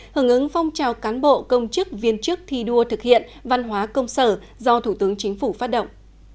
hưởng ứng phong trào cán bộ công chức viên chức thi đua thực hiện văn hóa công sở do thủ tướng chính phủ phát động